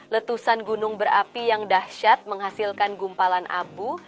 letusan gunung berapi yang dahsyat menghasilkan gumpalan abu